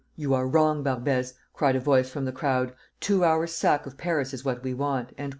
"You are wrong, Barbès," cried a voice from the crowd; "two hours' sack of Paris is what we want."